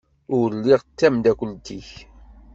Ur lliɣ d tamdakelt-ik.